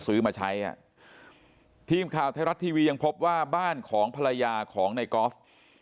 ซื้อมาใช้อ่ะทีมข่าวไทยรัฐทีวียังพบว่าบ้านของภรรยาของในกอล์ฟ